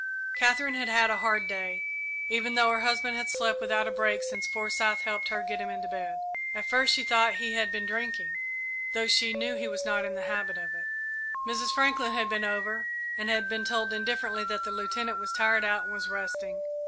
Katherine had had a hard day, even though her husband had slept without a break since Forsyth helped her get him into bed. At first she thought he had been drinking, though she knew he was not in the habit of it. Mrs. Franklin had been over and had been told indifferently that the Lieutenant was tired out and was resting.